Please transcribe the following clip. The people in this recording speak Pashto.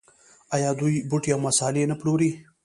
آیا دوی بوټي او مسالې نه پلوري؟